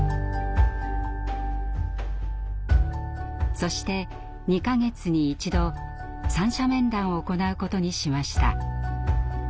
そして２か月に１度三者面談を行うことにしました。